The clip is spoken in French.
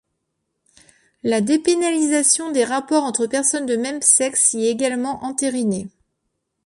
La dépénalisation des rapports entre personne de même sexe y est également entérinée.